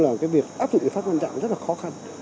là cái việc áp dụng lý pháp quan trọng rất là khó khăn